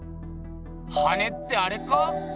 羽ってあれか？